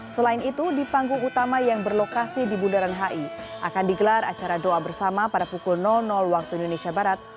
selain itu di panggung utama yang berlokasi di bundaran hi akan digelar acara doa bersama pada pukul waktu indonesia barat